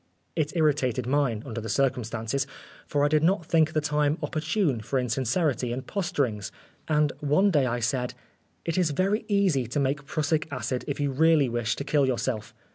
It irritated mine, under the circumstances, for I did not think the time opportune for insincerity and posturings, and one day I said, " It is very easy to make prussic acid if you really wish to kill yourself.